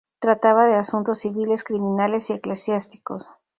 Trataba de asuntos civiles, criminales y eclesiásticos.